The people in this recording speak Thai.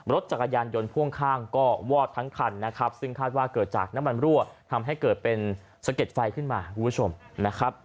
รถจักรยานยนต์พ่วงข้างก็วอดทั้งคันนะครับซึ่งคาดว่าเกิดจากน้ำมันรั่วทำให้เกิดเป็นสะเก็ดไฟขึ้นมาคุณผู้ชมนะครับ